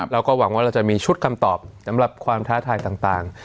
เราก็หวังว่าเราจะมีชุดคำตอบสำหรับความท้าทายต่าง